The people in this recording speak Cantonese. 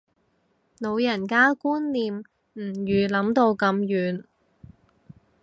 老人家觀念唔預諗到咁遠